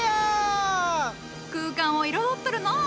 空間を彩っとるのう。